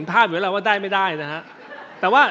พูดอย่างนั้นไม่ได้นะครับ